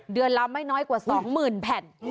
เดือนละไม่น้อยกว่า๒๐๐๐แผ่น